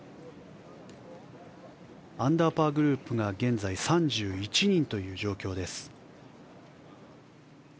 アンダーパーグループが現在、３１人という状況。